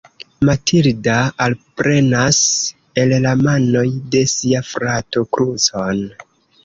Matilda alprenas el la manoj de sia frato krucon.